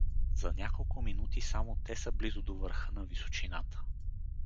За няколко минути само те са близо до върха на височината.